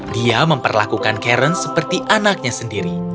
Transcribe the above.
dia memperlakukan karen seperti anaknya sendiri